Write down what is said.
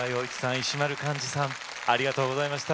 石丸幹二さんありがとうございました。